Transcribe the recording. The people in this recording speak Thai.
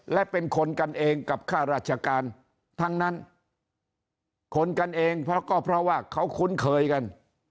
และเป็นคนกันเองกับข้าราชการทั้งนั้นคนกันเองเพราะก็เพราะว่าเขาคุ้นเคยกัน